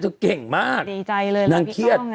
เก่งมากนางเครียด